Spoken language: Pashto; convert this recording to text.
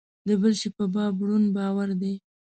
د بل شي په باب ړوند باور دی.